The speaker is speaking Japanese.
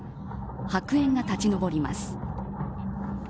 白煙が立ちのぼります。